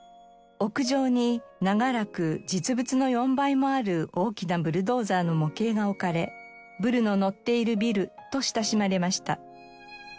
屋上に長らく実物の４倍もある大きなブルドーザーの模型が置かれブルの乗っているビルと親しまれました。